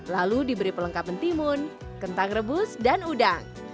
lalu diberi pelengkap mentimun kentang rebus dan udang